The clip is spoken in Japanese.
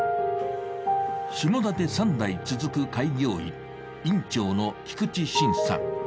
下田で３代続く開業医、院長の菊池新さん。